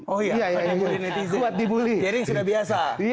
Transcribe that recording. oh iya kuat dibully